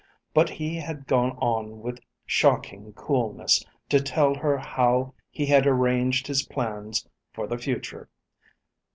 But he had gone on with shocking coolness to tell her how he had arranged his plans for the future.